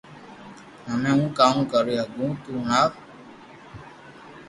ھمي ھو ڪاو ڪري ھگو تو ھڻاو